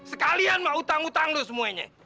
sekalian mah utang utang lu semuanya